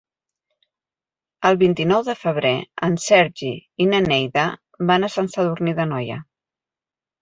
El vint-i-nou de febrer en Sergi i na Neida van a Sant Sadurní d'Anoia.